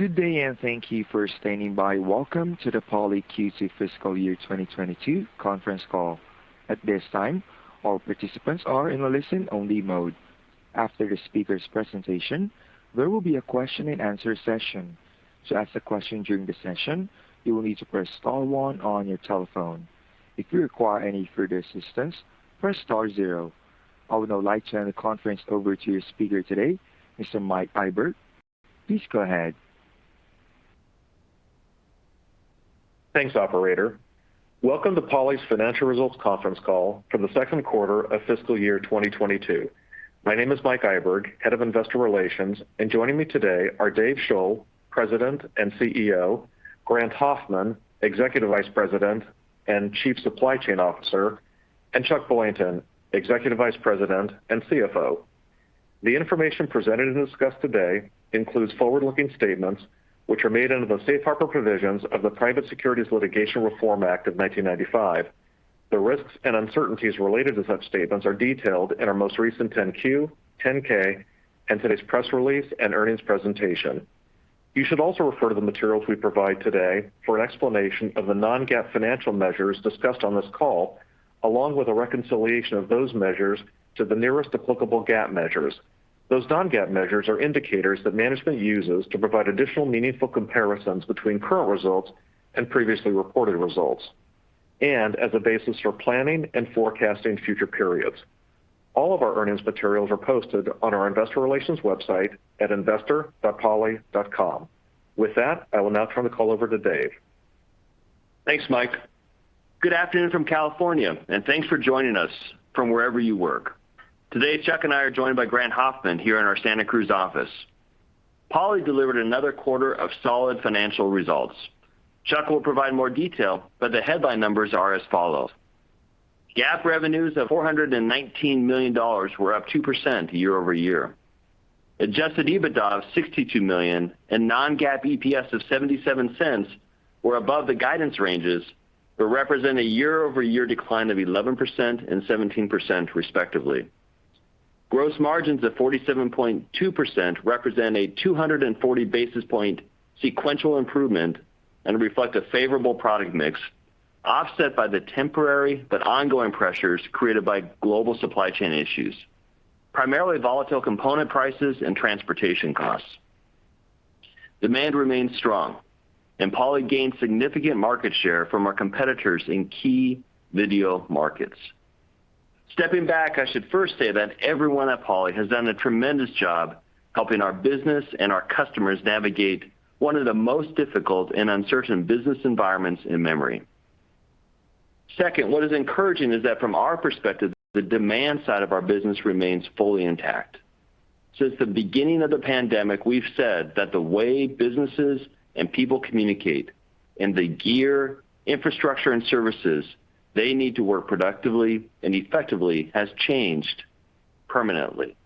Good day, and thank you for standing by. Welcome to the Poly Q2 Fiscal Year 2022 Conference Call. At this time, all participants are in a listen-only mode. After the speaker's presentation, there will be a question and answer session. To ask a question during the session, you will need to press star one on your telephone. If you require any further assistance, press star zero. I would now like to turn the conference over to your speaker today, Mr. Mike Iburg. Please go ahead. Thanks, operator. Welcome to Poly's Financial Results Conference Call for the Second Quarter of Fiscal Year 2022. My name is Mike Iburg, head of investor relations, and joining me today are Dave Shull, president and CEO, Grant Hoffmann, executive vice president and chief supply chain officer, and Chuck Boynton, executive vice president and CFO. The information presented and discussed today includes forward-looking statements which are made under the safe harbor provisions of the Private Securities Litigation Reform Act of 1995. The risks and uncertainties related to such statements are detailed in our most recent 10-Q, 10-K, and today's press release and earnings presentation. You should also refer to the materials we provide today for an explanation of the non-GAAP financial measures discussed on this call, along with a reconciliation of those measures to the nearest applicable GAAP measures. Those non-GAAP measures are indicators that management uses to provide additional meaningful comparisons between current results and previously reported results, and as a basis for planning and forecasting future periods. All of our earnings materials are posted on our investor relations website at investor.poly.com. With that, I will now turn the call over to Dave. Thanks, Mike. Good afternoon from California, and thanks for joining us from wherever you work. Today, Chuck and I are joined by Grant Hoffmann here in our Santa Cruz office. Poly delivered another quarter of solid financial results. Chuck will provide more detail, but the headline numbers are as follows. GAAP revenues of $419 million were up 2% year-over-year. Adjusted EBITDA of $62 million and non-GAAP EPS of $0.77 were above the guidance ranges, but represent a year-over-year decline of 11% and 17% respectively. Gross margins of 47.2% represent a 240 basis point sequential improvement and reflect a favorable product mix, offset by the temporary but ongoing pressures created by global supply chain issues, primarily volatile component prices and transportation costs. Demand remains strong, and Poly gained significant market share from our competitors in key video markets. Stepping back, I should first say that everyone at Poly has done a tremendous job helping our business and our customers navigate one of the most difficult and uncertain business environments in memory. Second, what is encouraging is that from our perspective, the demand side of our business remains fully intact. Since the beginning of the pandemic, we've said that the way businesses and people communicate and the gear, infrastructure, and services they need to work productively and effectively has changed permanently.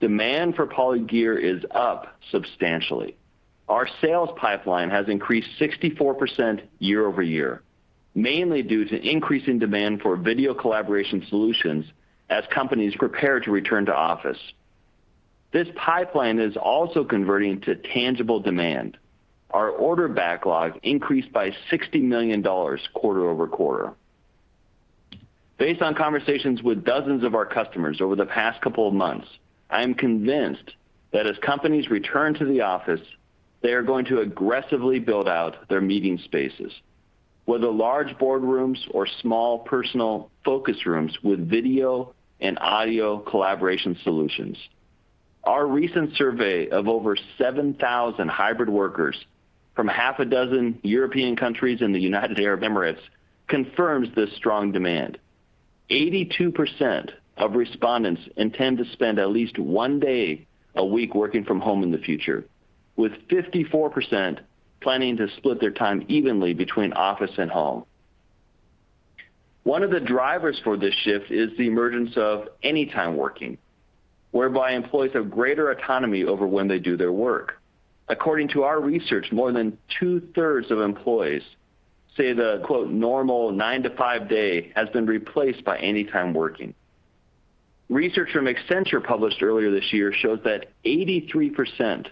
Demand for Poly gear is up substantially. Our sales pipeline has increased 64% year-over-year, mainly due to increase in demand for video collaboration solutions as companies prepare to return to office. This pipeline is also converting to tangible demand. Our order backlog increased by $60 million quarter-over-quarter. Based on conversations with dozens of our customers over the past couple of months, I am convinced that as companies return to the office, they are going to aggressively build out their meeting spaces, whether large boardrooms or small personal focus rooms with video and audio collaboration solutions. Our recent survey of over 7,000 hybrid workers from half a dozen European countries and the United Arab Emirates confirms this strong demand. 82% of respondents intend to spend at least one day a week working from home in the future, with 54% planning to split their time evenly between office and home. One of the drivers for this shift is the emergence of anytime working, whereby employees have greater autonomy over when they do their work. According to our research, more than two-thirds of employees say the quote, "normal nine-to-five day has been replaced by anytime working." Research from Accenture published earlier this year shows that 83%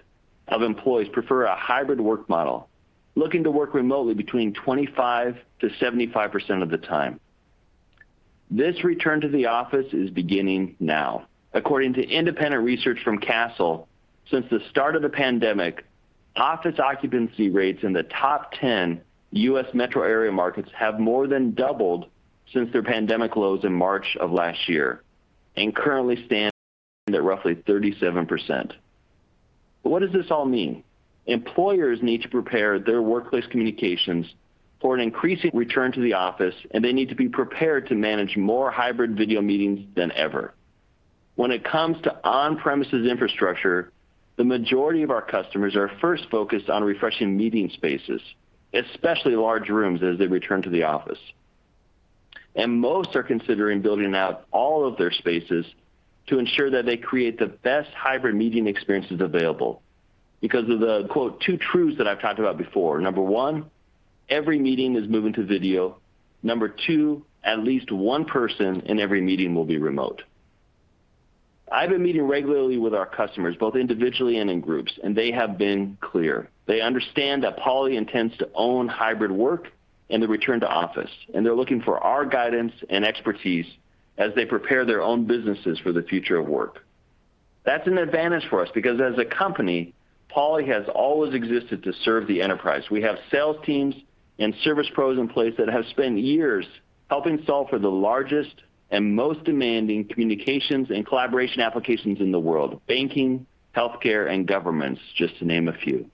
of employees prefer a hybrid work model, looking to work remotely between 25%-75% of the time. This return to the office is beginning now. According to independent research from Kastle, since the start of the pandemic, office occupancy rates in the top 10 U.S. metro area markets have more than doubled since their pandemic lows in March of last year, and currently stand at roughly 37%. What does this all mean? Employers need to prepare their workplace communications for an increasing return to the office, and they need to be prepared to manage more hybrid video meetings than ever. When it comes to on-premises infrastructure, the majority of our customers are first focused on refreshing meeting spaces, especially large rooms, as they return to the office. Most are considering building out all of their spaces to ensure that they create the best hybrid meeting experiences available because of the quote, "two truths" that I've talked about before. Number one. Every meeting is moving to video. Number two, at least one person in every meeting will be remote. I've been meeting regularly with our customers, both individually and in groups, and they have been clear. They understand that Poly intends to own hybrid work and the return to office, and they're looking for our guidance and expertise as they prepare their own businesses for the future of work. That's an advantage for us because as a company, Poly has always existed to serve the enterprise. We have sales teams and service pros in place that have spent years helping solve for the largest and most demanding communications and collaboration applications in the world, banking, healthcare, and governments, just to name a few.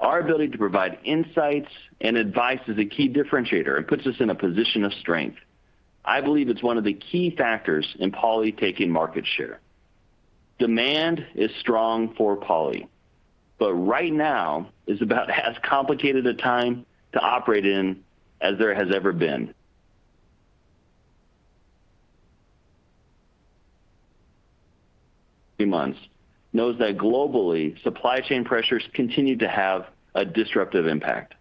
Our ability to provide insights and advice is a key differentiator. It puts us in a position of strength. I believe it's one of the key factors in Poly taking market share. Demand is strong for Poly, but right now is about as complicated a time to operate in as there has ever been. The past few months, everyone knows that globally, supply chain pressures continue to have a disruptive impact.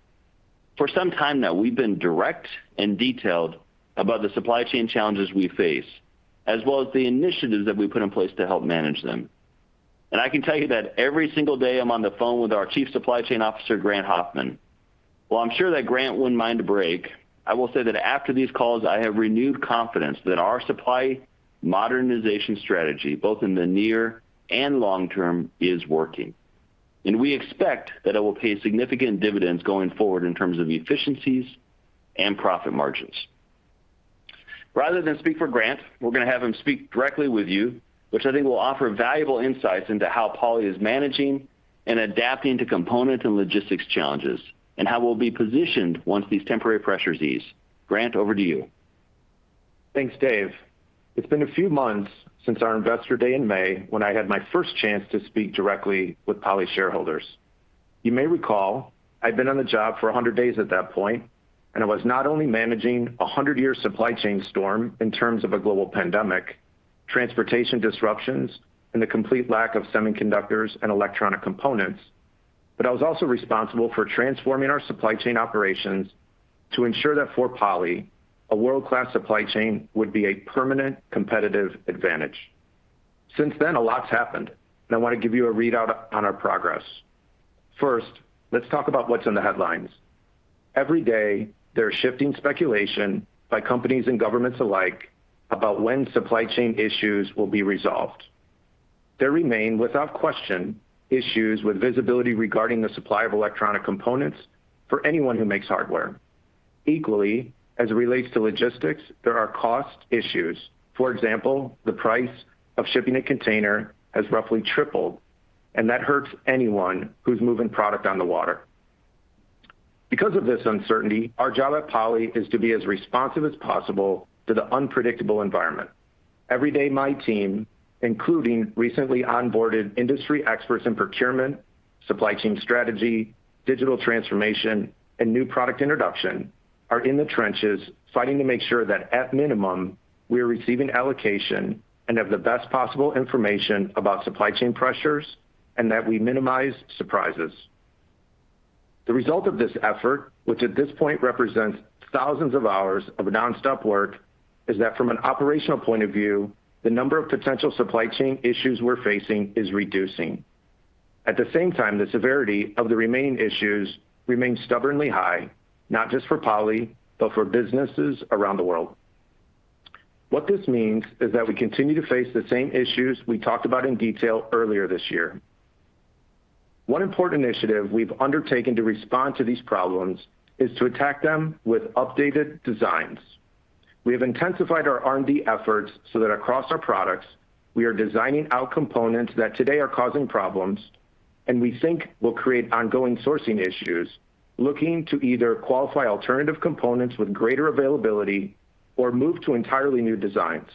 For some time now, we've been direct and detailed about the supply chain challenges we face, as well as the initiatives that we put in place to help manage them. I can tell you that every single day I'm on the phone with our Chief Supply Chain Officer, Grant Hoffmann. While I'm sure that Grant wouldn't mind a break, I will say that after these calls, I have renewed confidence that our supply modernization strategy, both in the near and long term, is working. We expect that it will pay significant dividends going forward in terms of efficiencies and profit margins. Rather than speak for Grant, we're gonna have him speak directly with you, which I think will offer valuable insights into how Poly is managing and adapting to component and logistics challenges and how we'll be positioned once these temporary pressures ease. Grant, over to you. Thanks, Dave. It's been a few months since our Investor Day in May, when I had my first chance to speak directly with Poly shareholders. You may recall, I'd been on the job for 100 days at that point, and I was not only managing a 100-year supply chain storm in terms of a global pandemic, transportation disruptions, and the complete lack of semiconductors and electronic components, but I was also responsible for transforming our supply chain operations to ensure that for Poly, a world-class supply chain would be a permanent competitive advantage. Since then, a lot's happened, and I wanna give you a readout on our progress. First, let's talk about what's in the headlines. Every day, there are shifting speculation by companies and governments alike about when supply chain issues will be resolved. There remain, without question, issues with visibility regarding the supply of electronic components for anyone who makes hardware. Equally, as it relates to logistics, there are cost issues. For example, the price of shipping a container has roughly tripled, and that hurts anyone who's moving product on the water. Because of this uncertainty, our job at Poly is to be as responsive as possible to the unpredictable environment. Every day, my team, including recently onboarded industry experts in procurement, supply chain strategy, digital transformation, and new product introduction, are in the trenches fighting to make sure that at minimum, we are receiving allocation and have the best possible information about supply chain pressures and that we minimize surprises. The result of this effort, which at this point represents thousands of hours of nonstop work, is that from an operational point of view, the number of potential supply chain issues we're facing is reducing. At the same time, the severity of the remaining issues remains stubbornly high, not just for Poly, but for businesses around the world. What this means is that we continue to face the same issues we talked about in detail earlier this year. One important initiative we've undertaken to respond to these problems is to attack them with updated designs. We have intensified our R&D efforts so that across our products, we are designing out components that today are causing problems and we think will create ongoing sourcing issues, looking to either qualify alternative components with greater availability or move to entirely new designs.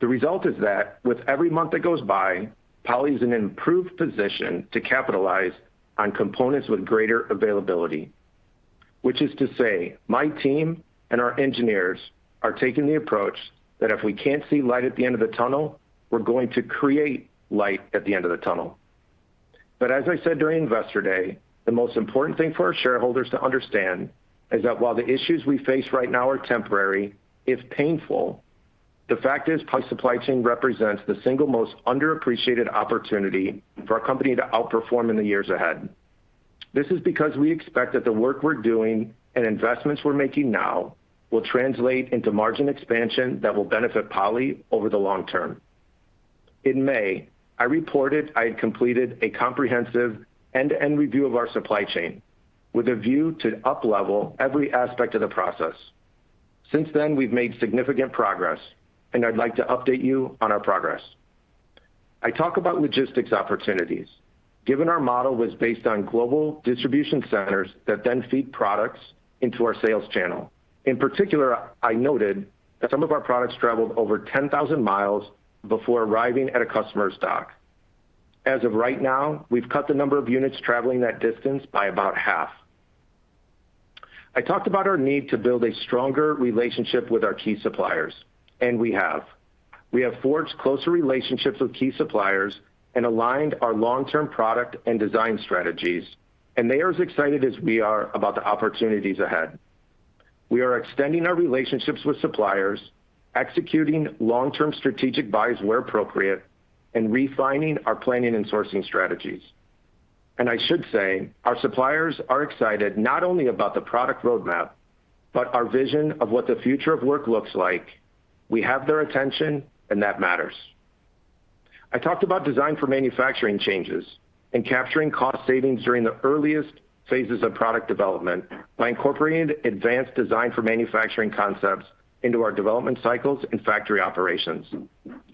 The result is that with every month that goes by, Poly is in an improved position to capitalize on components with greater availability. Which is to say, my team and our engineers are taking the approach that if we can't see light at the end of the tunnel, we're going to create light at the end of the tunnel. As I said during Investor Day, the most important thing for our shareholders to understand is that while the issues we face right now are temporary, if painful, the fact is, Poly supply chain represents the single most underappreciated opportunity for our company to outperform in the years ahead. This is because we expect that the work we're doing and investments we're making now will translate into margin expansion that will benefit Poly over the long term. In May, I reported I had completed a comprehensive end-to-end review of our supply chain with a view to uplevel every aspect of the process. Since then, we've made significant progress, and I'd like to update you on our progress. I talk about logistics opportunities, given our model was based on global distribution centers that then feed products into our sales channel. In particular, I noted that some of our products traveled over 10,000 miles before arriving at a customer's dock. As of right now, we've cut the number of units traveling that distance by about half. I talked about our need to build a stronger relationship with our key suppliers, and we have. We have forged closer relationships with key suppliers and aligned our long-term product and design strategies, and they are as excited as we are about the opportunities ahead. We are extending our relationships with suppliers, executing long-term strategic buys where appropriate, and refining our planning and sourcing strategies. I should say our suppliers are excited not only about the product roadmap, but our vision of what the future of work looks like. We have their attention, and that matters. I talked about design for manufacturing changes and capturing cost savings during the earliest phases of product development by incorporating advanced design for manufacturing concepts into our development cycles and factory operations.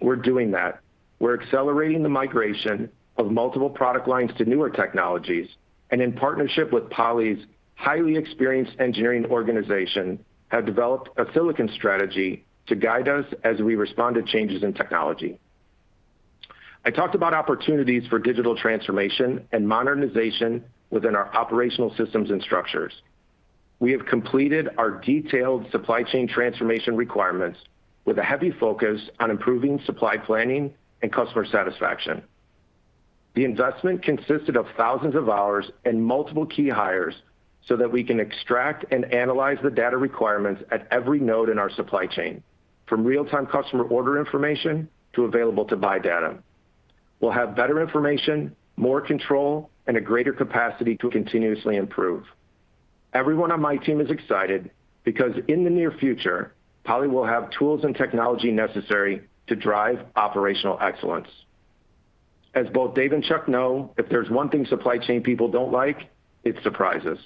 We're doing that. We're accelerating the migration of multiple product lines to newer technologies, and in partnership with Poly's highly experienced engineering organization, have developed a silicon strategy to guide us as we respond to changes in technology. I talked about opportunities for digital transformation and modernization within our operational systems and structures. We have completed our detailed supply chain transformation requirements with a heavy focus on improving supply planning and customer satisfaction. The investment consisted of thousands of hours and multiple key hires so that we can extract and analyze the data requirements at every node in our supply chain, from real-time customer order information to available to buy data. We'll have better information, more control, and a greater capacity to continuously improve. Everyone on my team is excited because in the near future, Poly will have tools and technology necessary to drive operational excellence. As both Dave and Chuck know, if there's one thing supply chain people don't like, it's surprises.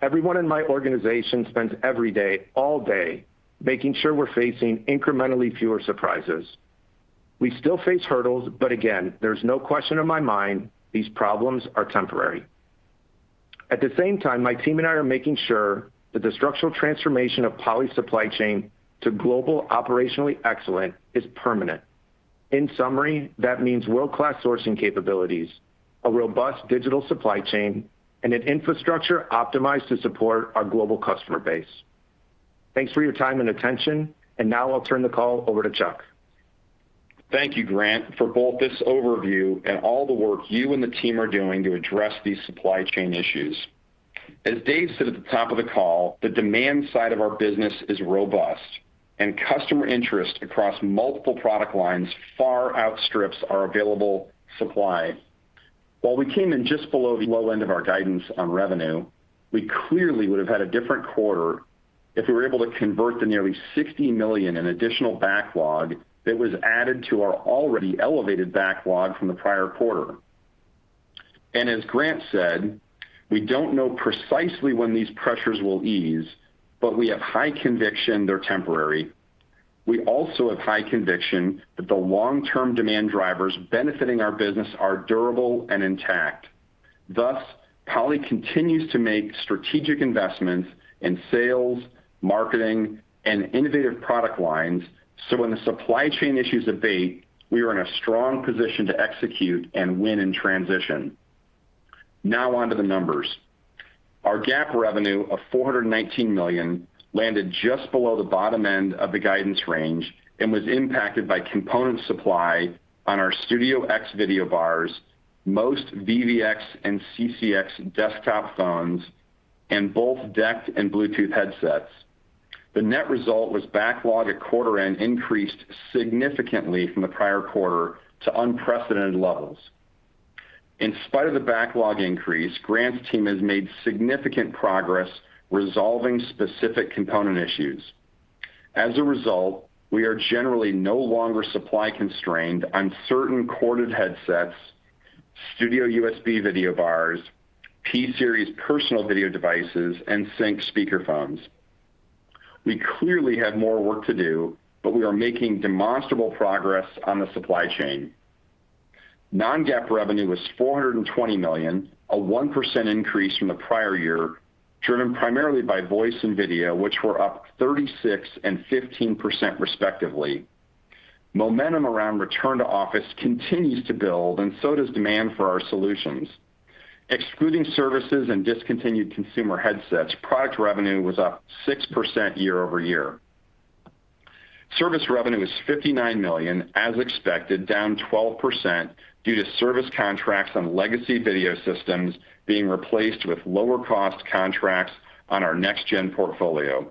Everyone in my organization spends every day, all day, making sure we're facing incrementally fewer surprises. We still face hurdles, but again, there's no question in my mind these problems are temporary. At the same time, my team and I are making sure that the structural transformation of Poly supply chain to global operationally excellent is permanent. In summary, that means world-class sourcing capabilities, a robust digital supply chain, and an infrastructure optimized to support our global customer base. Thanks for your time and attention. Now I'll turn the call over to Chuck. Thank you, Grant, for both this overview and all the work you and the team are doing to address these supply chain issues. As Dave said at the top of the call, the demand side of our business is robust and customer interest across multiple product lines far outstrips our available supply. While we came in just below the low end of our guidance on revenue, we clearly would have had a different quarter if we were able to convert the nearly $60 million in additional backlog that was added to our already elevated backlog from the prior quarter. As Grant said, we don't know precisely when these pressures will ease, but we have high conviction they're temporary. We also have high conviction that the long-term demand drivers benefiting our business are durable and intact. Thus, Poly continues to make strategic investments in sales, marketing, and innovative product lines, so when the supply chain issues abate, we are in a strong position to execute and win in transition. Now on to the numbers. Our GAAP revenue of $419 million landed just below the bottom end of the guidance range and was impacted by component supply on our Studio X video bars, most VVX and CCX desktop phones, and both DECT and Bluetooth headsets. The net result was, backlog at quarter end increased significantly from the prior quarter to unprecedented levels. In spite of the backlog increase, Grant's team has made significant progress resolving specific component issues. As a result, we are generally no longer supply constrained on certain corded headsets, Studio USB video bars, P Series personal video devices, and Sync speakerphones. We clearly have more work to do, but we are making demonstrable progress on the supply chain. Non-GAAP revenue was $420 million, a 1% increase from the prior year, driven primarily by voice and video, which were up 36% and 15% respectively. Momentum around return to office continues to build and so does demand for our solutions. Excluding services and discontinued consumer headsets, product revenue was up 6% year-over-year. Service revenue was $59 million, as expected, down 12% due to service contracts on legacy video systems being replaced with lower cost contracts on our next gen portfolio.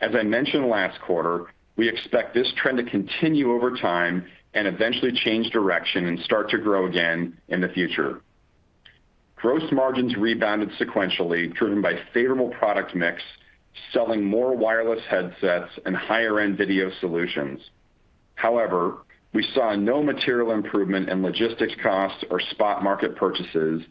As I mentioned last quarter, we expect this trend to continue over time and eventually change direction and start to grow again in the future. Gross margins rebounded sequentially, driven by favorable product mix, selling more wireless headsets and higher-end video solutions. However, we saw no material improvement in logistics costs or spot market purchases,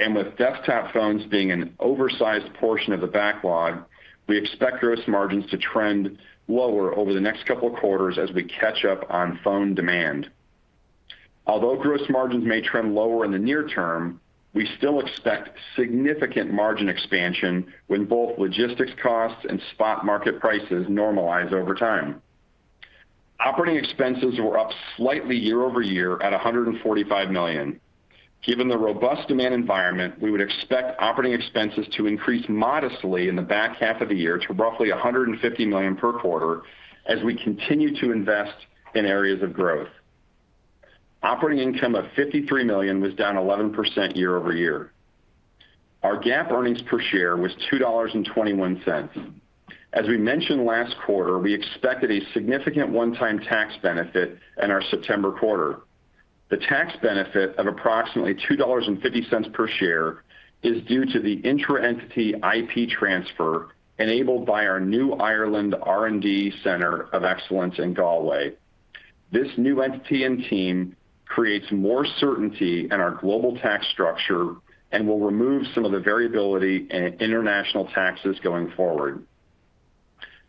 and with desktop phones being an oversized portion of the backlog, we expect gross margins to trend lower over the next couple of quarters as we catch up on phone demand. Although gross margins may trend lower in the near term, we still expect significant margin expansion when both logistics costs and spot market prices normalize over time. Operating expenses were up slightly year over year at $145 million. Given the robust demand environment, we would expect operating expenses to increase modestly in the back half of the year to roughly $150 million per quarter as we continue to invest in areas of growth. Operating income of $53 million was down 11% year over year. Our GAAP earnings per share was $2.21. As we mentioned last quarter, we expected a significant one-time tax benefit in our September quarter. The tax benefit of approximately $2.50 per share is due to the intra-entity IP transfer enabled by our new Ireland R&D Center of Excellence in Galway. This new entity and team creates more certainty in our global tax structure and will remove some of the variability in international taxes going forward.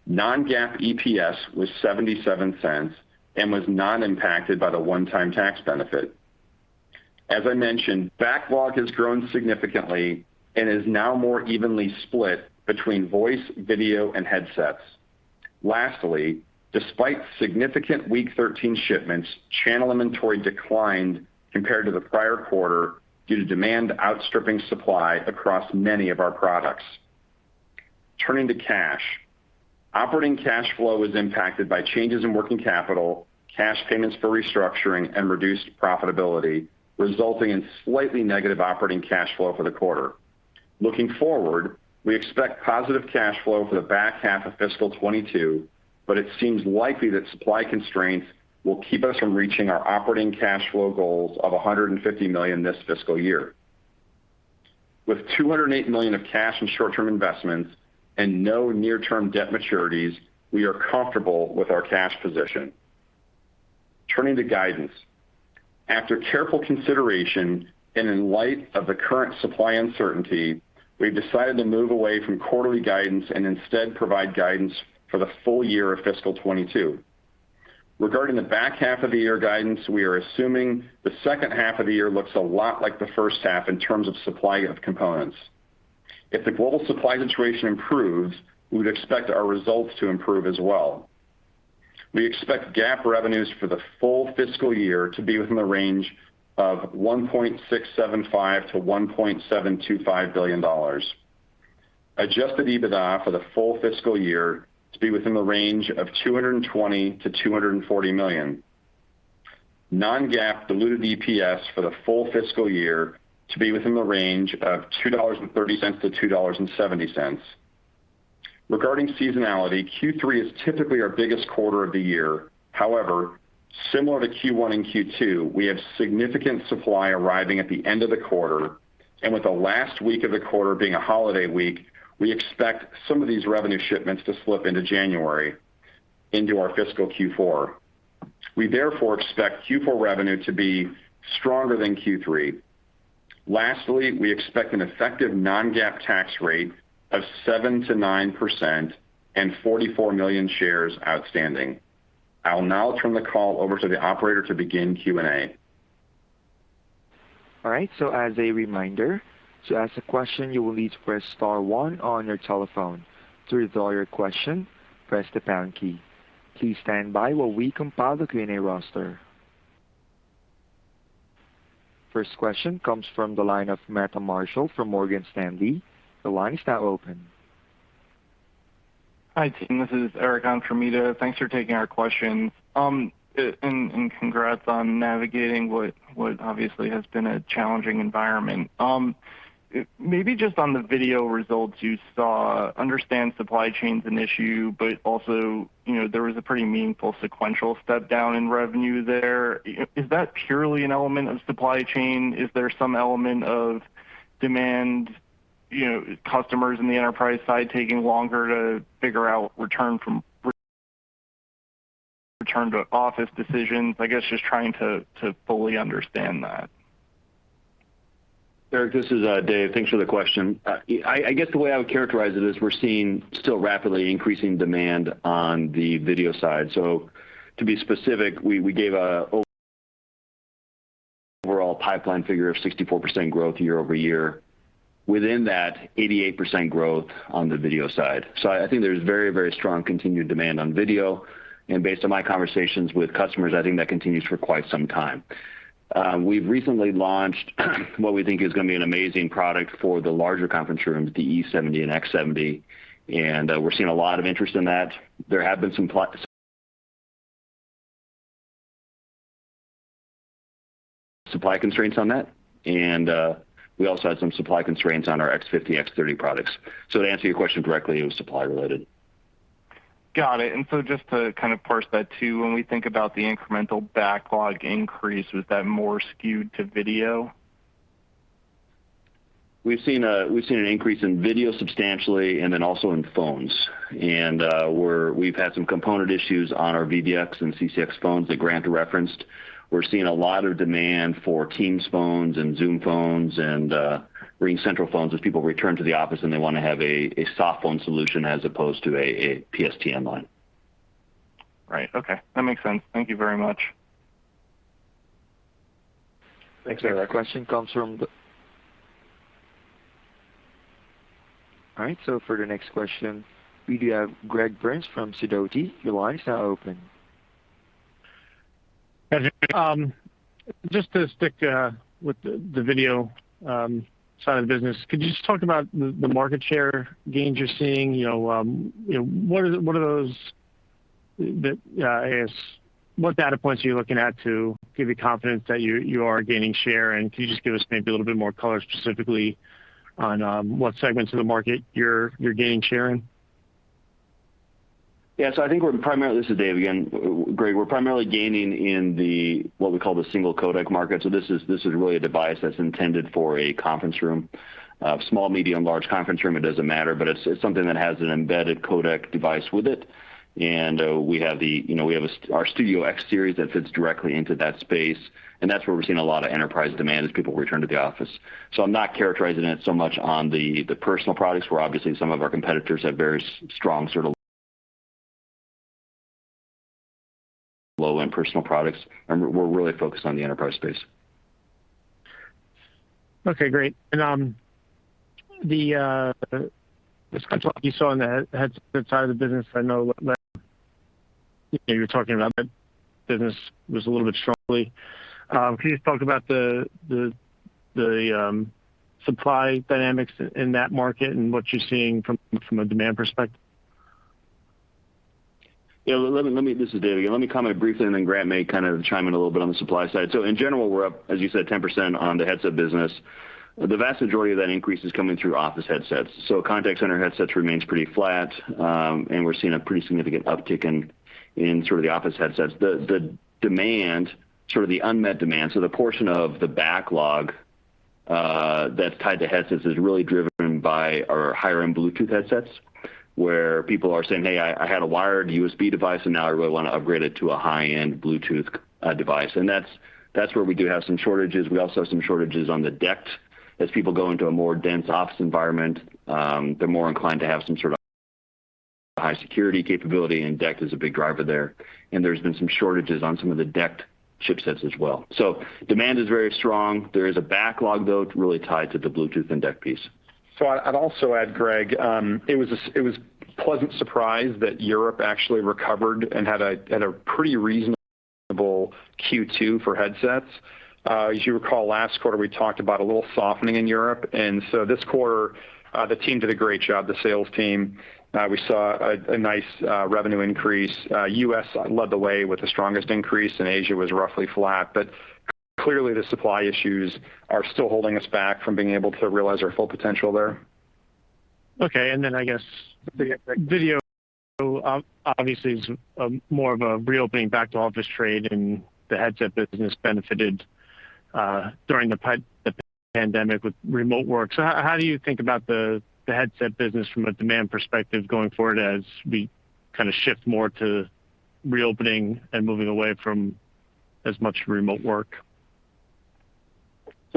Non-GAAP EPS was $0.77 and was not impacted by the one-time tax benefit. As I mentioned, backlog has grown significantly and is now more evenly split between voice, video and headsets. Lastly, despite significant week 13 shipments, channel inventory declined compared to the prior quarter due to demand outstripping supply across many of our products. Turning to cash. Operating cash flow was impacted by changes in working capital, cash payments for restructuring and reduced profitability, resulting in slightly negative operating cash flow for the quarter. Looking forward, we expect positive cash flow for the back half of fiscal 2022, but it seems likely that supply constraints will keep us from reaching our operating cash flow goals of $150 million this fiscal year. With $208 million of cash and short-term investments and no near-term debt maturities, we are comfortable with our cash position. Turning to guidance. After careful consideration and in light of the current supply uncertainty, we've decided to move away from quarterly guidance and instead provide guidance for the full year of fiscal 2022. Regarding the back half of the year guidance, we are assuming the second half of the year looks a lot like the first half in terms of supply of components. If the global supply situation improves, we would expect our results to improve as well. We expect GAAP revenues for the full fiscal year to be within the range of $1.675-$1.725 billion. Adjusted EBITDA for the full fiscal year to be within the range of $220-$240 million. Non-GAAP diluted EPS for the full fiscal year to be within the range of $2.30-$2.70. Regarding seasonality, Q3 is typically our biggest quarter of the year. However, similar to Q1 and Q2, we have significant supply arriving at the end of the quarter, and with the last week of the quarter being a holiday week, we expect some of these revenue shipments to slip into January into our fiscal Q4. We therefore expect Q4 revenue to be stronger than Q3. Lastly, we expect an effective non-GAAP tax rate of 7%-9% and 44 million shares outstanding. I'll now turn the call over to the operator to begin Q&A. All right. As a reminder, to ask a question, you will need to press star one on your telephone. To withdraw your question, press the pound key. Please stand by while we compile the Q&A roster. First question comes from the line of Meta Marshall from Morgan Stanley. The line is now open. Hi, team, this is Eric An from Mizuho. Thanks for taking our questions. Congrats on navigating what obviously has been a challenging environment. Maybe just on the video results you saw, I understand supply chain is an issue, but also, you know, there was a pretty meaningful sequential step down in revenue there. Is that purely an element of supply chain? Is there some element of demand, you know, customers in the enterprise side taking longer to figure out return to office decisions? I guess just trying to fully understand that. Eric, this is Dave. Thanks for the question. I guess the way I would characterize it is we're seeing still rapidly increasing demand on the video side. To be specific, we gave an overall pipeline figure of 64% growth year-over-year. Within that, 88% growth on the video side. I think there's very, very strong continued demand on video. Based on my conversations with customers, I think that continues for quite some time. We've recently launched what we think is going to be an amazing product for the larger conference rooms, the Studio E70 and Studio X70, and we're seeing a lot of interest in that. There have been some supply constraints on that, and we also had some supply constraints on our Studio X50, Studio X30 products. To answer your question directly, it was supply related. Got it. Just to kind of parse that too, when we think about the incremental backlog increase, was that more skewed to video? We've seen an increase in video substantially and then also in phones. We've had some component issues on our VVX and CCX phones that Grant referenced. We're seeing a lot of demand for Teams phones and Zoom phones and RingCentral phones as people return to the office and they want to have a soft phone solution as opposed to a PSTN line. Right. Okay, that makes sense. Thank you very much. Thanks, Eric. All right. For the next question, we do have Greg Burns from Sidoti. Your line is now open. Hi, Dave. Just to stick with the video side of the business, could you just talk about the market share gains you're seeing? You know, what data points are you looking at to give you confidence that you are gaining share? Can you just give us maybe a little bit more color specifically on what segments of the market you're gaining share in? Yeah. I think we're primarily. This is Dave again. Greg, we're primarily gaining in the, what we call the single codec market. This is really a device that's intended for a conference room, small, medium, large conference room. It doesn't matter, but it's something that has an embedded codec device with it. We have, you know, our Studio X series that fits directly into that space, and that's where we're seeing a lot of enterprise demand as people return to the office. I'm not characterizing it so much on the personal products, where obviously some of our competitors have very strong sort of low-end personal products, and we're really focused on the enterprise space. Okay, great. The strength you saw on the headset side of the business, I know like, you know, you were talking about that business was a little bit strong. Can you just talk about the supply dynamics in that market and what you're seeing from a demand perspective? This is Dave again. Let me comment briefly, and then Grant may kind of chime in a little bit on the supply side. In general, we're up, as you said, 10% on the headset business. The vast majority of that increase is coming through office headsets. Contact center headsets remains pretty flat, and we're seeing a pretty significant uptick in sort of the office headsets. The demand, sort of the unmet demand, so the portion of the backlog that's tied to headsets is really driven by our higher-end Bluetooth headsets, where people are saying, "Hey, I had a wired USB device, and now I really wanna upgrade it to a high-end Bluetooth device." That's where we do have some shortages. We also have some shortages on the DECT. As people go into a more dense office environment, they're more inclined to have some sort of high security capability, and DECT is a big driver there. There's been some shortages on some of the DECT chipsets as well. Demand is very strong. There is a backlog, though, really tied to the Bluetooth and DECT piece. I'd also add, Greg, it was a pleasant surprise that Europe actually recovered and had a pretty reasonable Q2 for headsets. As you recall, last quarter, we talked about a little softening in Europe. This quarter, the team did a great job, the sales team. We saw a nice revenue increase. U.S. led the way with the strongest increase, and Asia was roughly flat. Clearly, the supply issues are still holding us back from being able to realize our full potential there. Okay. I guess video obviously is more of a reopening back to office trade, and the headset business benefited during the pandemic with remote work. How do you think about the headset business from a demand perspective going forward as we kind of shift more to reopening and moving away from as much remote work?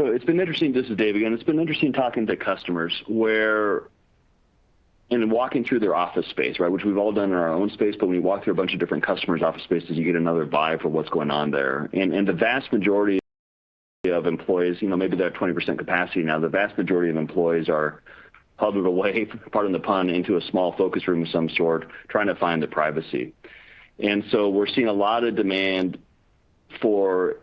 It's been interesting. This is Dave again. It's been interesting talking to customers and walking through their office space, right? Which we've all done in our own space, but when you walk through a bunch of different customers' office spaces, you get another vibe for what's going on there. The vast majority of employees, you know, maybe they're at 20% capacity now. The vast majority of employees are huddled away, pardon the pun, into a small focus room of some sort, trying to find the privacy. We're seeing a lot of demand for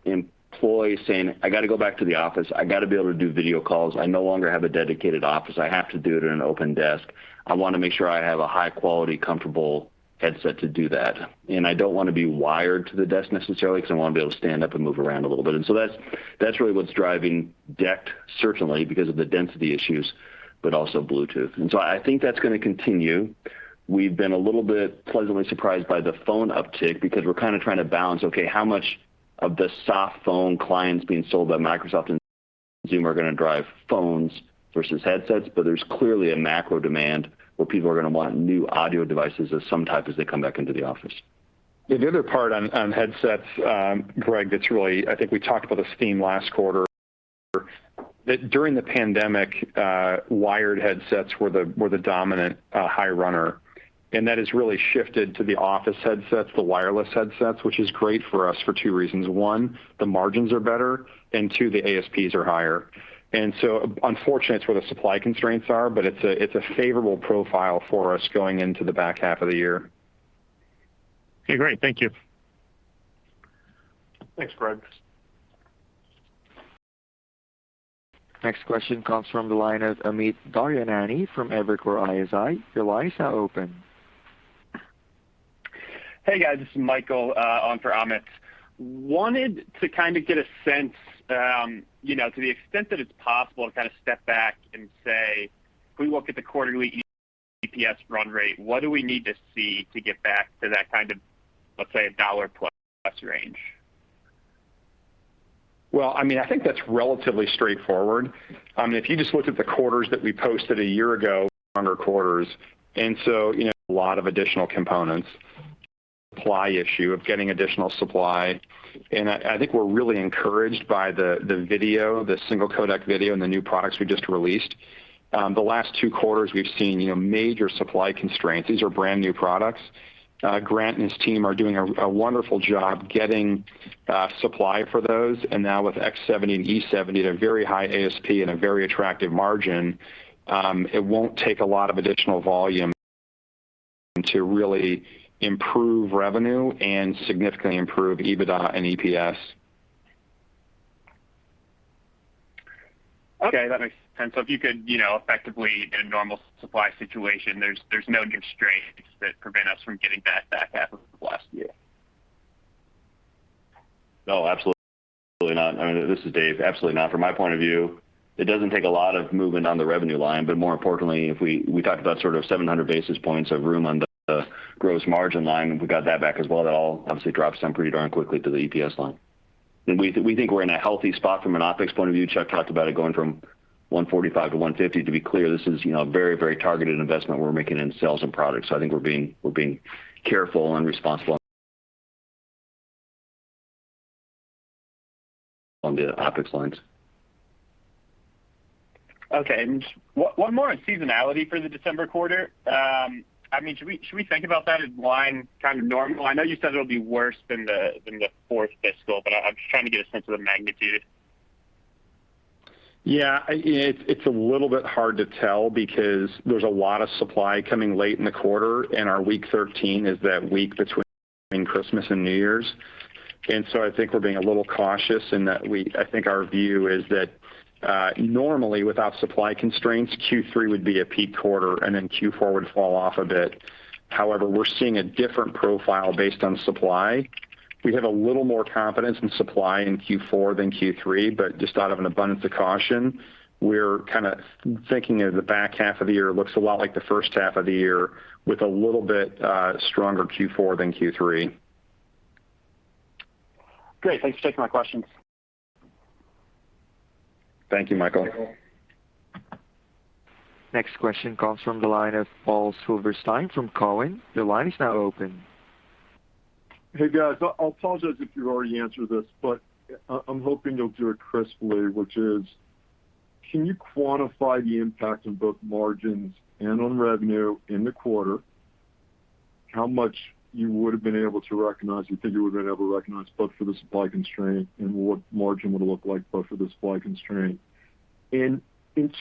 employees saying, "I gotta go back to the office. I gotta be able to do video calls. I no longer have a dedicated office. I have to do it at an open desk. I wanna make sure I have a high quality, comfortable headset to do that. I don't wanna be wired to the desk necessarily 'cause I wanna be able to stand up and move around a little bit." That's really what's driving DECT certainly because of the density issues, but also Bluetooth. I think that's gonna continue. We've been a little bit pleasantly surprised by the phone uptick because we're kind of trying to balance, okay, how much of the soft phone clients being sold by Microsoft and Zoom are gonna drive phones versus headsets? There's clearly a macro demand where people are gonna want new audio devices of some type as they come back into the office. The other part on headsets, Greg, that's really. I think we talked about this theme last quarter, that during the pandemic, wired headsets were the dominant high runner. That has really shifted to the office headsets, the wireless headsets, which is great for us for two reasons. One, the margins are better, and two, the ASPs are higher. So, unfortunately, that's where the supply constraints are, but it's a favorable profile for us going into the back half of the year. Okay, great. Thank you. Thanks, Greg. Next question comes from the line of Amit Daryanani from Evercore ISI. Your line is now open. Hey, guys. This is Michael on for Amit. I wanted to kind of get a sense, you know, to the extent that it's possible to kind of step back and say, if we look at the quarterly EPS run rate, what do we need to see to get back to that kind of, let's say, a $1+ range? Well, I mean, I think that's relatively straightforward. I mean, if you just look at the quarters that we posted a year ago, stronger quarters, you know, a lot of additional components. Supply issue of getting additional supply. I think we're really encouraged by the video, the single codec video and the new products we just released. The last two quarters we've seen, you know, major supply constraints. These are brand-new products. Grant and his team are doing a wonderful job getting supply for those. Now with X70 and E70 at a very high ASP and a very attractive margin, it won't take a lot of additional volume to really improve revenue and significantly improve EBITDA and EPS. Okay, that makes sense. If you could, you know, effectively in a normal supply situation, there's no constraints that prevent us from getting that back half of last year. No, absolutely not. I mean, this is Dave. Absolutely not. From my point of view, it doesn't take a lot of movement on the revenue line, but more importantly, if we talked about sort of 700 basis points of room on the gross margin line, and we got that back as well. That all obviously drops down pretty darn quickly to the EPS line. We think we're in a healthy spot from an OpEx point of view. Chuck talked about it going from 145 to 150. To be clear, this is, you know, a very, very targeted investment we're making in sales and products. I think we're being careful and responsible on the OpEx lines. Okay. Just one more on seasonality for the December quarter. I mean, should we think about that as like kind of normal? I know you said it'll be worse than the fourth fiscal, but I'm just trying to get a sense of the magnitude. Yeah. It's a little bit hard to tell because there's a lot of supply coming late in the quarter, and our week thirteen is that week between Christmas and New Year's. I think we're being a little cautious. I think our view is that, normally without supply constraints, Q3 would be a peak quarter, and then Q4 would fall off a bit. However, we're seeing a different profile based on supply. We have a little more confidence in supply in Q4 than Q3, but just out of an abundance of caution, we're kinda thinking of the back half of the year looks a lot like the first half of the year with a little bit, stronger Q4 than Q3. Great. Thanks for taking my questions. Thank you, Michael. Next question comes from the line of Paul Silverstein from Cowen. Your line is now open. Hey, guys. I'll apologize if you already answered this, but I'm hoping you'll do it crisply, which is, can you quantify the impact on both margins and on revenue in the quarter? How much you would have been able to recognize, you think, both for the supply constraint and what margin would look like both for the supply constraint? In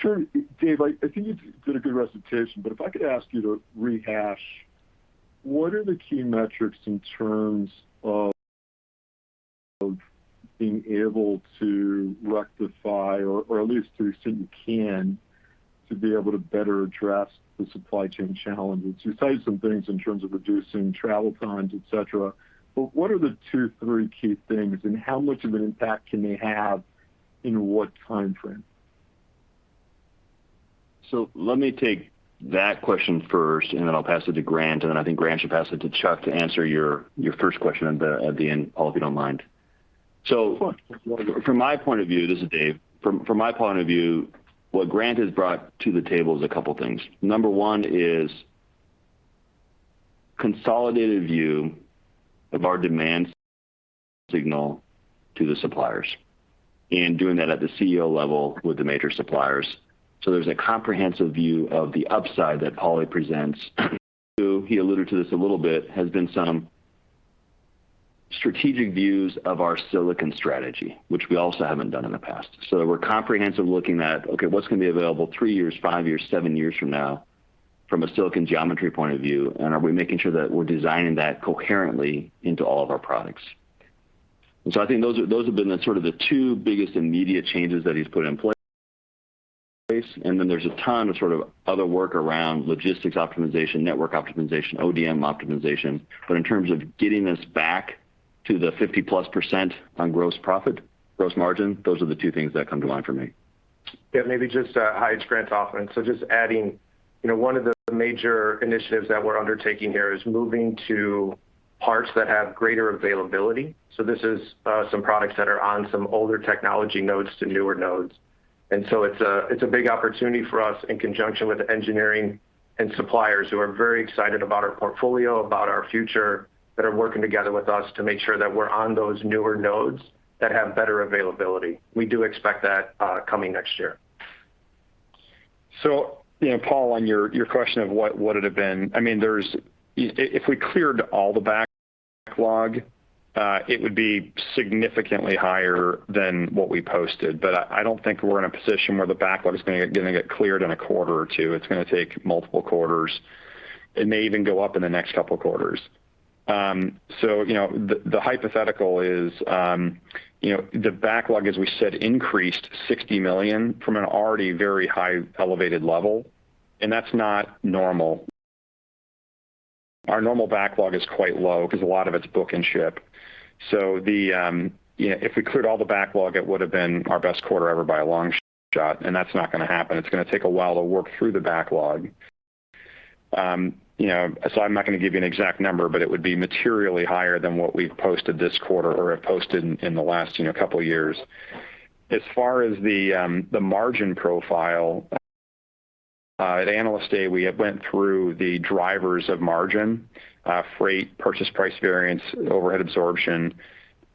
turn, Dave, I think you did a good recitation, but if I could ask you to rehash, what are the key metrics in terms of being able to rectify or at least to the extent you can, to be able to better address the supply chain challenges? You said some things in terms of reducing travel times, et cetera. What are the two, three key things, and how much of an impact can they have in what timeframe? Let me take that question first, and then I'll pass it to Grant, and then I think Grant should pass it to Chuck to answer your first question at the end, Paul, if you don't mind. Sure. From my point of view, this is Dave. From my point of view, what Grant has brought to the table is a couple things. Number one is consolidated view of our demand signal to the suppliers, and doing that at the CEO level with the major suppliers. There's a comprehensive view of the upside that Poly presents, too. He alluded to this a little bit. There has been some strategic views of our silicon strategy, which we also haven't done in the past. We're comprehensively looking at, okay, what's going to be available three years, five years, seven years from now from a silicon geometry point of view, and are we making sure that we're designing that coherently into all of our products. I think those have been the sort of the two biggest immediate changes that he's put in place. There's a ton of sort of other work around logistics optimization, network optimization, ODM optimization. In terms of getting us back to the 50%+ on gross profit, gross margin, those are the two things that come to mind for me. Yeah, maybe just - hi, it's Grant Hoffman. Just adding, you know, one of the major initiatives that we're undertaking here is moving to parts that have greater availability. This is some products that are on some older technology nodes to newer nodes. It's a big opportunity for us in conjunction with engineering and suppliers who are very excited about our portfolio, about our future, that are working together with us to make sure that we're on those newer nodes that have better availability. We do expect that coming next year. Paul, on your question of what it had been, if we cleared all the backlog, it would be significantly higher than what we posted. I don't think we're in a position where the backlog is gonna get cleared in a quarter or two. It's gonna take multiple quarters. It may even go up in the next couple of quarters. The hypothetical is, the backlog, as we said, increased $60 million from an already very high elevated level, and that's not normal. Our normal backlog is quite low because a lot of it's book and ship. If we cleared all the backlog, it would have been our best quarter ever by a long shot, and that's not gonna happen. It's gonna take a while to work through the backlog. You know, I'm not gonna give you an exact number, but it would be materially higher than what we've posted this quarter or have posted in the last, you know, couple of years. As far as the margin profile, at Analyst Day, we had went through the drivers of margin, freight, purchase price variance, overhead absorption.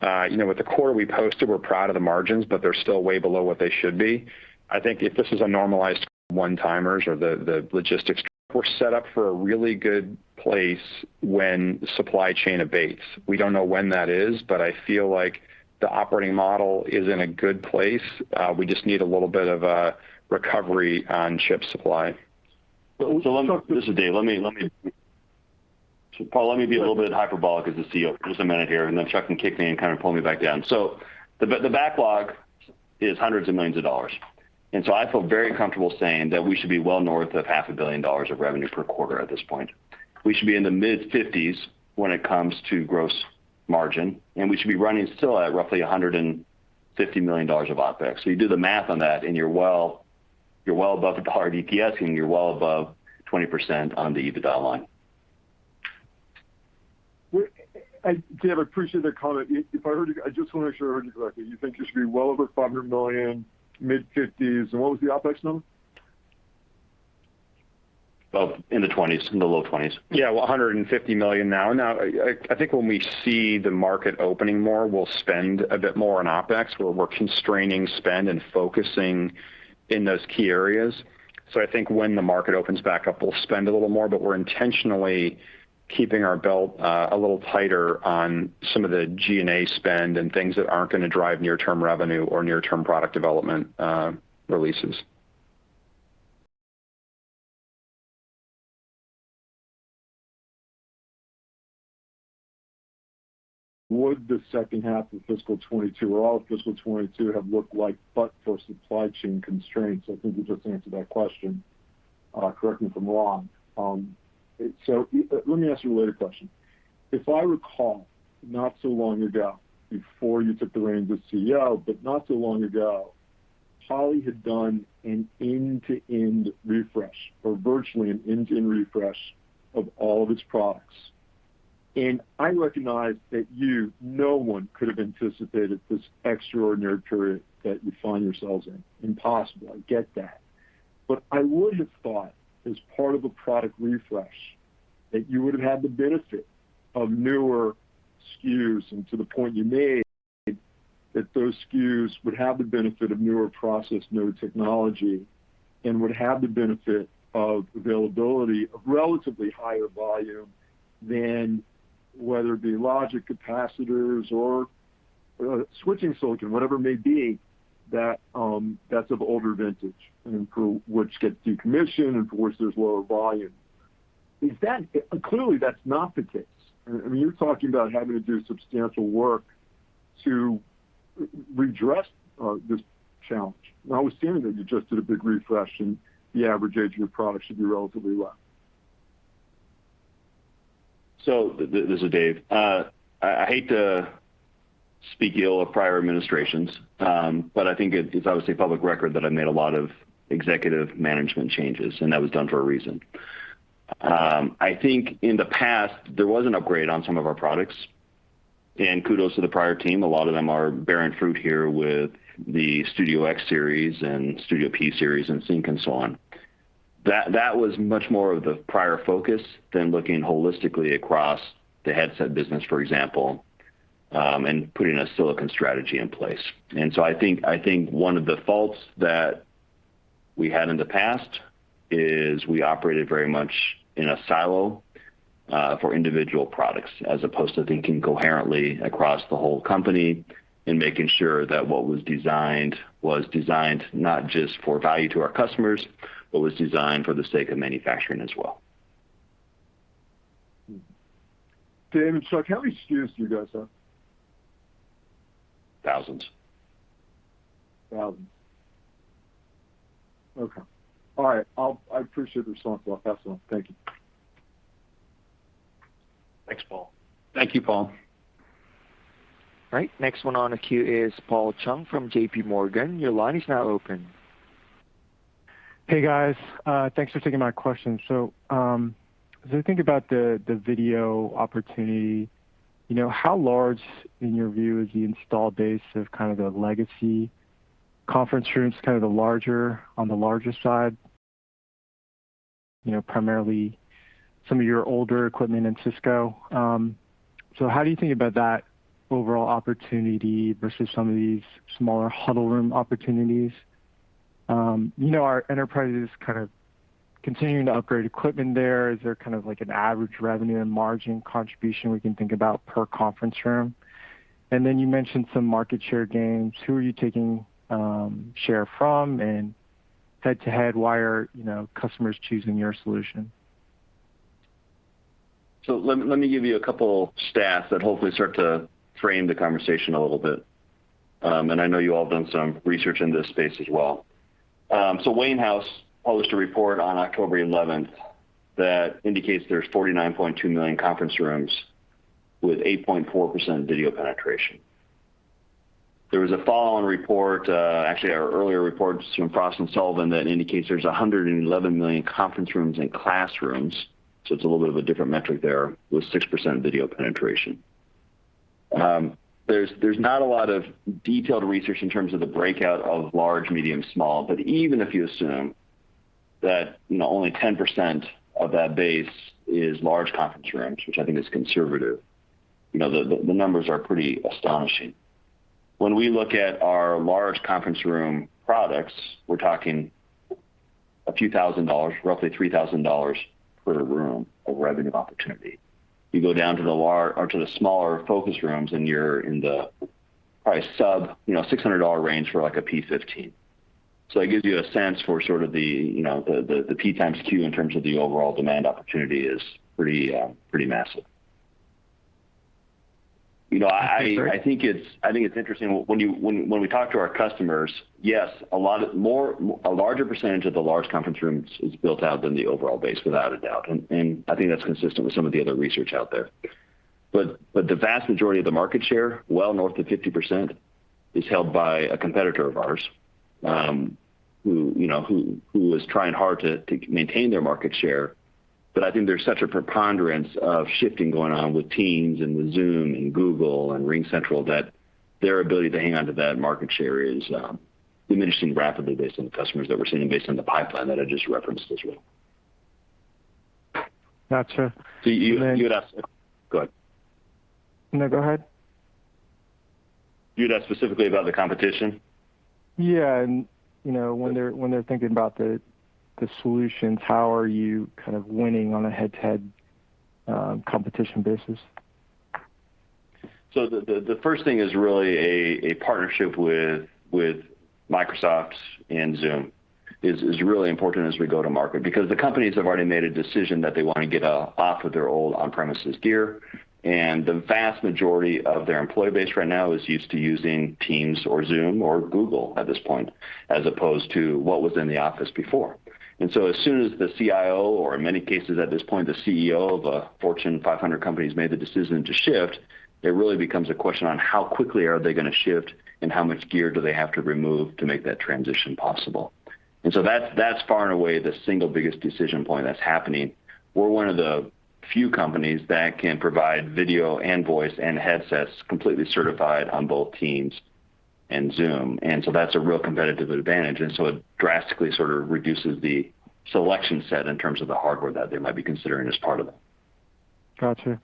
You know, with the quarter we posted, we're proud of the margins, but they're still way below what they should be. I think if this is a normalized one-timers or the logistics, we're set up for a really good place when supply chain abates. We don't know when that is, but I feel like the operating model is in a good place. We just need a little bit of a recovery on chip supply. This is Dave. Let me. Paul, let me be a little bit hyperbolic as the CEO for just a minute here, and then Chuck can kick me and kind of pull me back down. The backlog is hundreds of millions. I feel very comfortable saying that we should be well north of half a billion dollars of revenue per quarter at this point. We should be in the mid-50s when it comes to gross margin, and we should be running still at roughly $150 million of OpEx. You do the math on that and you're well above $1 EPS and you're well above 20% on the EBITDA line. Dave, I appreciate the comment. If I heard you, I just wanna make sure I heard you correctly. You think you should be well over $500 million, mid-50s. What was the OpEx number? Well, in the 20s. In the low 20s. Yeah. Well, $150 million now. I think when we see the market opening more, we'll spend a bit more on OpEx, where we're constraining spend and focusing in those key areas. I think when the market opens back up, we'll spend a little more, but we're intentionally keeping our belt a little tighter on some of the G&A spend and things that aren't gonna drive near-term revenue or near-term product development releases. Would the second half of fiscal 2022 or all of fiscal 2022 have looked like, but for supply chain constraints? I think you just answered that question. Correct me if I'm wrong. Let me ask you a related question. If I recall, not so long ago, before you took the reins as CEO, but not so long ago, Poly had done an end-to-end refresh or virtually an end-to-end refresh of all of its products. I recognize that you, no one could have anticipated this extraordinary period that you find yourselves in. Impossible. I get that. I would have thought as part of a product refresh that you would have had the benefit of newer SKUs, and to the point you made, that those SKUs would have the benefit of newer process, newer technology, and would have the benefit of availability of relatively higher volume than whether it be logic capacitors or switching silicon, whatever it may be, that that's of older vintage and for which gets decommissioned and for which there's lower volume. Clearly, that's not the case. I mean, you're talking about having to do substantial work to re-redress this challenge. I would assume that you just did a big refresh and the average age of your product should be relatively low. This is Dave. I hate to speak ill of prior administrations, but I think it's obviously public record that I made a lot of executive management changes, and that was done for a reason. I think in the past, there was an upgrade on some of our products. Kudos to the prior team. A lot of them are bearing fruit here with the Studio X series and Studio P Series and Sync and so on. That was much more of the prior focus than looking holistically across the headset business, for example, and putting a silicon strategy in place. I think one of the faults that we had in the past is we operated very much in a silo for individual products as opposed to thinking coherently across the whole company and making sure that what was designed was designed not just for value to our customers, but was designed for the sake of manufacturing as well. Dave and Chuck, how many SKUs do you guys have? Thousands. Thousands. Okay. All right. I appreciate the response. Well, that's all. Thank you. Thanks, Paul. Thank you, Paul. All right. Next one on the queue is Paul Chung from JP Morgan. Your line is now open. Hey, guys. Thanks for taking my question. As I think about the video opportunity, you know, how large, in your view, is the install base of kind of the legacy conference rooms, kind of the larger, on the larger side? You know, primarily some of your older equipment and Cisco. How do you think about that overall opportunity versus some of these smaller huddle room opportunities? You know, are enterprises kind of continuing to upgrade equipment there? Is there kind of like an average revenue and margin contribution we can think about per conference room? You mentioned some market share gains. Who are you taking share from? Head to head, why are, you know, customers choosing your solution? Let me give you a couple stats that hopefully start to frame the conversation a little bit. I know you all have done some research in this space as well. Wainhouse published a report on October eleventh that indicates there's 49.2 million conference rooms with 8.4% video penetration. There was a follow-on report, actually our earlier reports from Frost & Sullivan that indicates there's 111 million conference rooms and classrooms, it's a little bit of a different metric there, with 6% video penetration. There's not a lot of detailed research in terms of the breakout of large, medium, small. Even if you assume that, you know, only 10% of that base is large conference rooms, which I think is conservative, you know, the numbers are pretty astonishing. When we look at our large conference room products, we're talking a few thousand dollars, roughly $3,000 per room of revenue opportunity. You go down to the larger or to the smaller focus rooms, and you're in the probably sub $600 range for like a P15. It gives you a sense for sort of the, you know, the PxQ in terms of the overall demand opportunity is pretty massive. I think it's interesting when we talk to our customers, yes, a lot of more, a larger percentage of the large conference rooms is built out than the overall base, without a doubt. I think that's consistent with some of the other research out there. The vast majority of the market share, well north of 50%, is held by a competitor of ours, who, you know, who is trying hard to maintain their market share. I think there's such a preponderance of shifting going on with Teams and with Zoom and Google and RingCentral that their ability to hang on to that market share is diminishing rapidly based on the customers that we're seeing and based on the pipeline that I just referenced as well. Gotcha. You had asked. Go ahead. No, go ahead. You'd asked specifically about the competition? Yeah. You know, when they're thinking about the solutions, how are you kind of winning on a head-to-head competition basis? The first thing is really a partnership with Microsoft and Zoom is really important as we go to market because the companies have already made a decision that they wanna get off of their old on-premises gear. The vast majority of their employee base right now is used to using Teams or Zoom or Google at this point, as opposed to what was in the office before. As soon as the CIO, or in many cases at this point, the CEO of a Fortune 500 companies made the decision to shift, it really becomes a question on how quickly are they gonna shift and how much gear do they have to remove to make that transition possible. That's far and away the single biggest decision point that's happening. We're one of the few companies that can provide video and voice and headsets completely certified on both Teams and Zoom. That's a real competitive advantage. It drastically sort of reduces the selection set in terms of the hardware that they might be considering as part of that. Gotcha.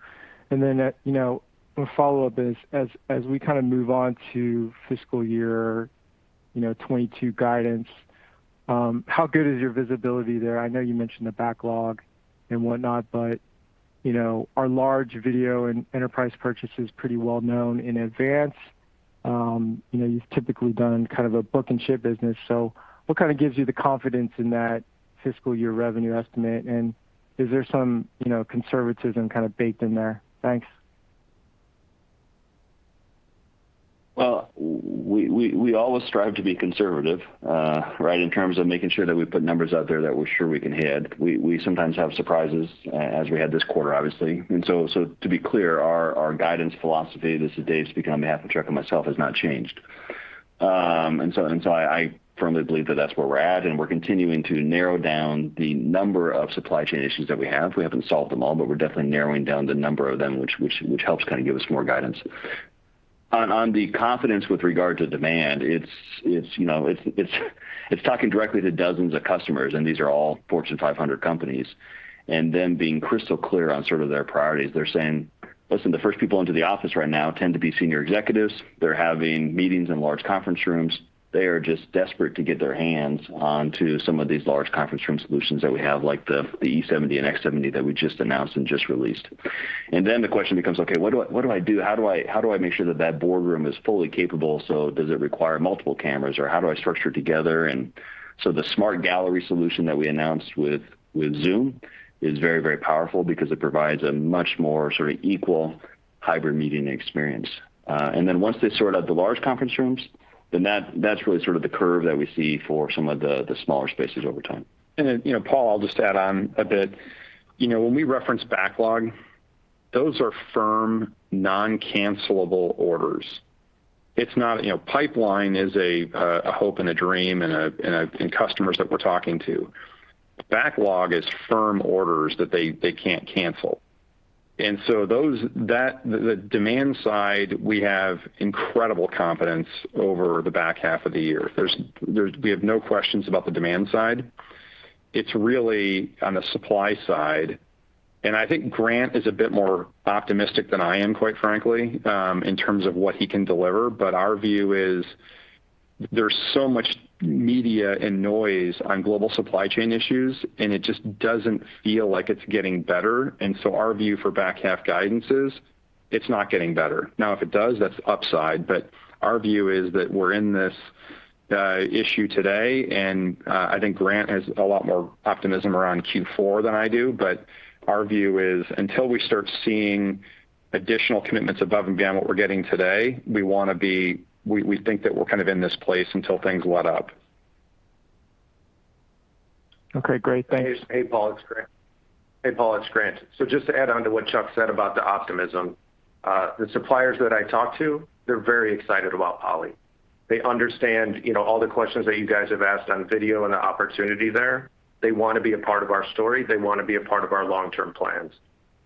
You know, a follow-up, as we kind of move on to fiscal year 2022 guidance, how good is your visibility there? I know you mentioned the backlog and whatnot, but you know, are large video and enterprise purchases pretty well known in advance? You know, you've typically done kind of a book and ship business. What kind of gives you the confidence in that fiscal year revenue estimate? Is there some you know, conservatism kind of baked in there? Thanks. Well, we always strive to be conservative, right? In terms of making sure that we put numbers out there that we're sure we can hit. We sometimes have surprises as we had this quarter, obviously. To be clear, our guidance philosophy, this is Dave speaking on behalf of Chuck and myself, has not changed. I firmly believe that that's where we're at, and we're continuing to narrow down the number of supply chain issues that we have. We haven't solved them all, but we're definitely narrowing down the number of them which helps kind of give us more guidance. On the confidence with regard to demand, it's, you know, it's talking directly to dozens of customers, and these are all Fortune 500 companies. Them being crystal clear on sort of their priorities. They're saying, "Listen, the first people into the office right now tend to be senior executives. They're having meetings in large conference rooms. They are just desperate to get their hands onto some of these large conference room solutions that we have, like the E70 and X70 that we just announced and just released." Then the question becomes, "Okay, what do I do? How do I make sure that that boardroom is fully capable? So does it require multiple cameras or how do I structure it together?" The Smart Gallery solution that we announced with Zoom is very powerful because it provides a much more sort of equal hybrid meeting experience. Once they sort out the large conference rooms, then that's really sort of the curve that we see for some of the smaller spaces over time. You know, Paul, I'll just add on a bit. You know, when we reference backlog, those are firm, non-cancelable orders. It's not. You know, pipeline is a hope and a dream and customers that we're talking to. Backlog is firm orders that they can't cancel. The demand side, we have incredible confidence over the back half of the year. We have no questions about the demand side. It's really on the supply side. I think Grant is a bit more optimistic than I am, quite frankly, in terms of what he can deliver. But our view is there's so much media and noise on global supply chain issues, and it just doesn't feel like it's getting better. Our view for back half guidance is it's not getting better. Now, if it does, that's upside. Our view is that we're in this issue today, and I think Grant has a lot more optimism around Q4 than I do. Our view is until we start seeing additional commitments above and beyond what we're getting today, we think that we're kind of in this place until things let up. Okay. Great. Thanks. Hey, Paul, it's Grant. Just to add on to what Chuck said about the optimism, the suppliers that I talk to, they're very excited about Poly. They understand, you know, all the questions that you guys have asked on video and the opportunity there. They wanna be a part of our story. They wanna be a part of our long-term plans.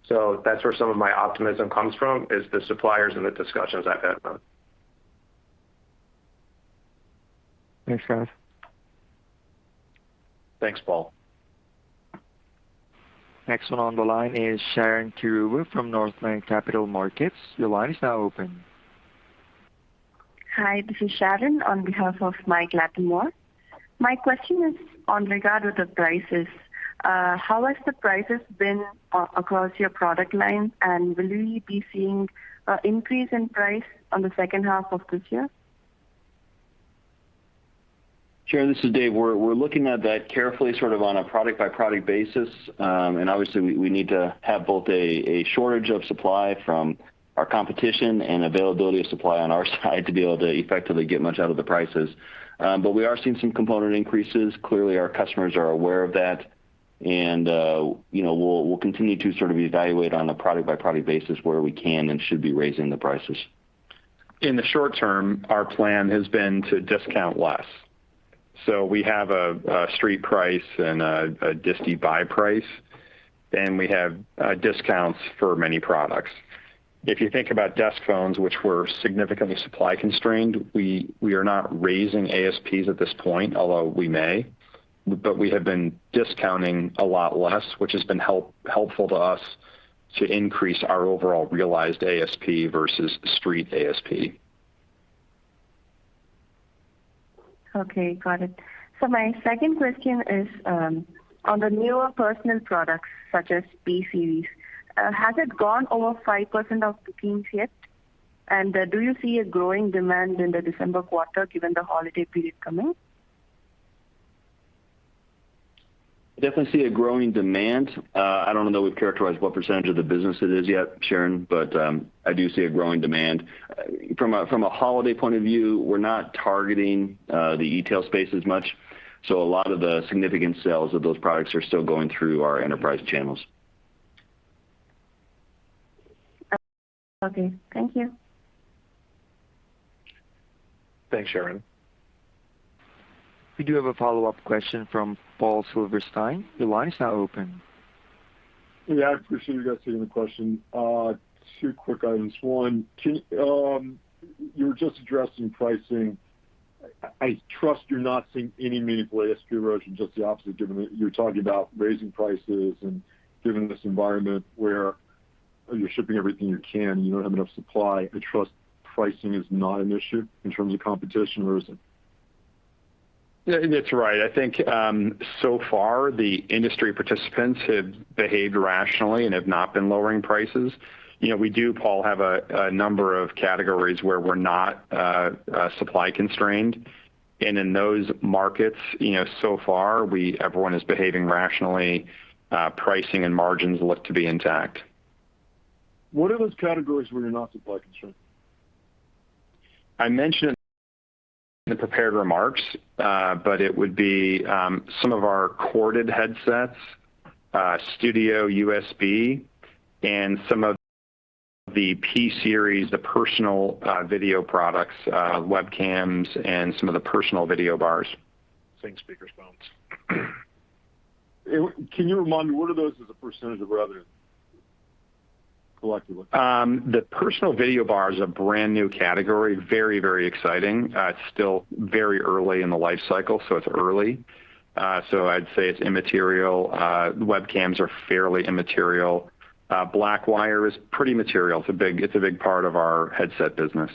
That's where some of my optimism comes from, is the suppliers and the discussions I've had with them. Thanks, Grant. Thanks, Paul. Next one on the line is Sharon Koru from Northland Capital Markets. Your line is now open. Hi, this is Sharon on behalf of Mike Latimore. My question is on regard with the prices. How has the prices been across your product line, and will you be seeing increase in price on the second half of this year? Sharon, this is Dave. We're looking at that carefully, sort of on a product-by-product basis. Obviously we need to have both a shortage of supply from our competition and availability of supply on our side to be able to effectively get much out of the prices. But we are seeing some component increases. Clearly, our customers are aware of that and you know, we'll continue to sort of evaluate on a product-by-product basis where we can and should be raising the prices. In the short term, our plan has been to discount less. We have a street price and a disti buy price, and we have discounts for many products. If you think about desk phones, which were significantly supply constrained, we are not raising ASPs at this point, although we may. We have been discounting a lot less, which has been helpful to us to increase our overall realized ASP versus street ASP. Okay. Got it. My second question is, on the newer personal products such as B-Series, has it gone over 5% of the Teams yet? Do you see a growing demand in the December quarter given the holiday period coming? definitely see a growing demand. I don't know that we've characterized what percentage of the business it is yet, Sharon, but I do see a growing demand. From a holiday point of view, we're not targeting the e-tail space as much, so a lot of the significant sales of those products are still going through our enterprise channels. Okay. Thank you. Thanks, Sharon. We do have a follow-up question from Paul Silverstein. Your line is now open. Yeah, I appreciate you guys taking the question. Two quick items. One, you were just addressing pricing. I trust you're not seeing any meaningful ASP erosion, just the opposite, given that you're talking about raising prices and given this environment where you're shipping everything you can and you don't have enough supply. I trust pricing is not an issue in terms of competition or is it? Yeah, that's right. I think, so far the industry participants have behaved rationally and have not been lowering prices. You know, we do, Paul, have a number of categories where we're not supply constrained. In those markets, you know, so far everyone is behaving rationally. Pricing and margins look to be intact. What are those categories where you're not supply constrained? I mentioned in the prepared remarks, but it would be some of our corded headsets, Studio USB, and some of the P-series, the personal video products, webcams and some of the personal video bars. Same speaker's phones. Can you remind me what are those as a percentage of revenue collectively? The personal video bar is a brand new category, very, very exciting. It's still very early in the life cycle, so it's early. I'd say it's immaterial. The webcams are fairly immaterial. Blackwire is pretty material. It's a big part of our headset business.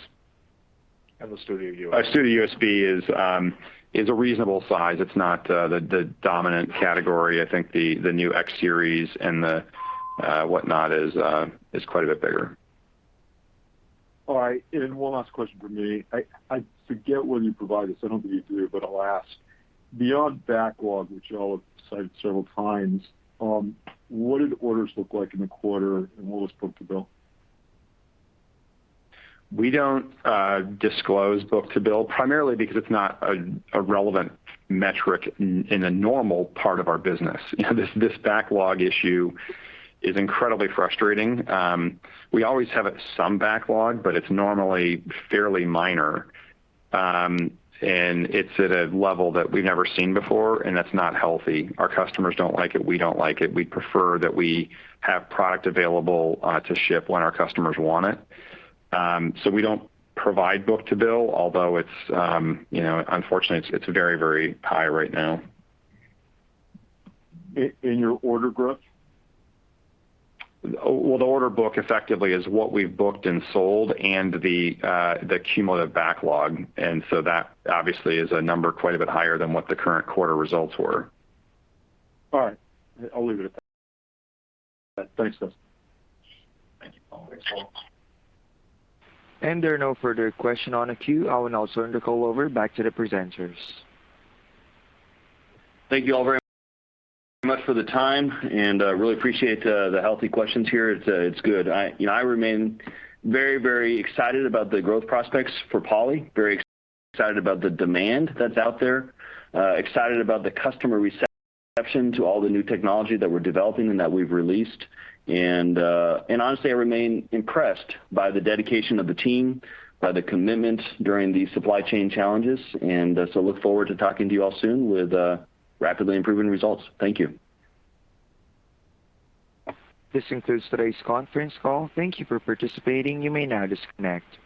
The Studio USB. Studio USB is a reasonable size. It's not the dominant category. I think the new X series and the whatnot is quite a bit bigger. All right. One last question from me. I forget whether you provided this. I don't think you did, but I'll ask. Beyond backlog, which you all have cited several times, what did orders look like in the quarter, and what was book-to-bill? We don't disclose book-to-bill primarily because it's not a relevant metric in the normal part of our business. This backlog issue is incredibly frustrating. We always have some backlog, but it's normally fairly minor. It's at a level that we've never seen before, and that's not healthy. Our customers don't like it. We don't like it. We prefer that we have product available to ship when our customers want it. We don't provide book-to-bill, although it's unfortunately very, very high right now. In your order book? Well, the order book effectively is what we've booked and sold and the cumulative backlog, and so that obviously is a number quite a bit higher than what the current quarter results were. All right. I'll leave it at that. Thanks, guys. Thank you, Paul. There are no further questions on the queue. I will now turn the call back over to the presenters. Thank you all very much for the time, and I really appreciate the healthy questions here. It's good. You know, I remain very, very excited about the growth prospects for Poly, very excited about the demand that's out there, excited about the customer reception to all the new technology that we're developing and that we've released. Honestly, I remain impressed by the dedication of the team, by the commitment during these supply chain challenges. Look forward to talking to you all soon with rapidly improving results. Thank you. This concludes today's conference call. Thank you for participating. You may now disconnect.